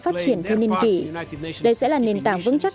phát triển thiên niên kỷ đây sẽ là nền tảng vững chắc